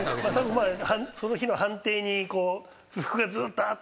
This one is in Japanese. その日の判定に不服がずっとあった。